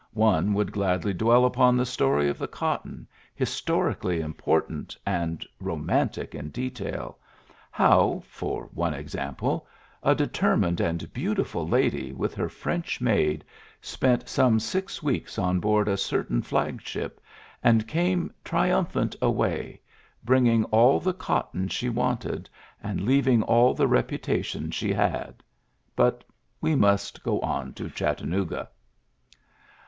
One would gladly dwell upon the story of the cotton, historically important^ and romantic in detail: how — for one example — a de termined and beautifal lady with her French maid spent some six weeks on board a certain flag ship, and came triumphant away, bringing all the cotton she wanted and leaving all the reputa tion she had; but we must go on to Chattanooga.